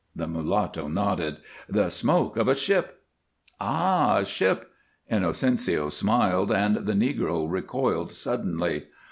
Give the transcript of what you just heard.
The mulatto nodded. "The smoke of a ship." "Ah! A ship!" Inocencio smiled and the negro recoiled suddenly.